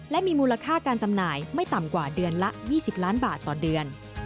และมีมูลค่าการจำหน่ายไม่ต่ำกว่าเดือนละ๒๐ล้านบาทต่อเดือน